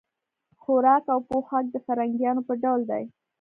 خوراک او پوښاک د فرنګیانو په ډول دی.